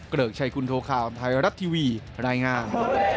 ริกชัยคุณโทข่าวไทยรัฐทีวีรายงาน